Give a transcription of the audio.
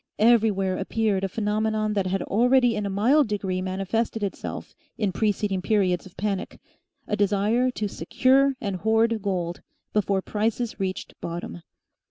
Everywhere appeared a phenomenon that had already in a mild degree manifested itself in preceding periods of panic; a desire to SECURE AND HOARD GOLD before prices reached bottom.